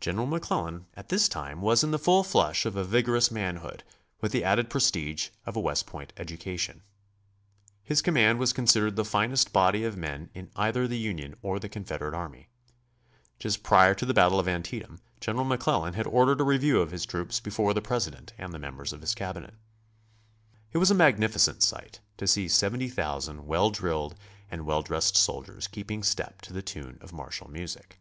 General McClellan at this time was in the full flush of a vigorous manhood, with the added prestige of a West Point education. His command was considered the finest body of men in either the Union or the Confederate army. Just prior to the battle of Antietam General McClellan had ordered a review of his troops before the President and the members of his Cabinet. It was a magnificent sight to see 70,000 well drilled and well dressed soldiers keeping step to the tune of martial music.